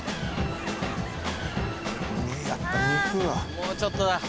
もうちょっとだ。